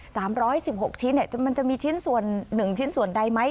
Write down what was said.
สามร้อยสิบหกชิ้นเนี้ยจะมันจะมีชิ้นส่วนหนึ่งชิ้นส่วนใดไหม